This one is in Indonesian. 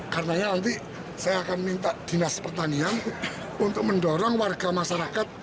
karena nanti saya akan minta dinas pertanian untuk mendorong warga masyarakat